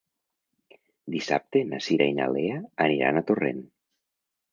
Dissabte na Cira i na Lea aniran a Torrent.